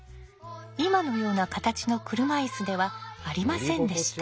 今のような形の車いすではありませんでした。